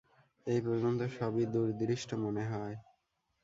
এই পর্যন্ত সবই দুরদৃষ্ট মনে হয়।